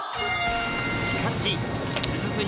しかし続く